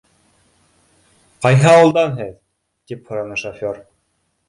— Ҡайһы ауылдан һеҙ? — тип һораны шофер.